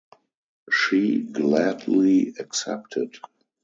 She gladly accepted.